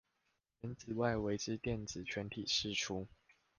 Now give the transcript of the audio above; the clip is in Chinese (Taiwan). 原子外圍之電子全體釋出